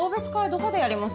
どこでやります？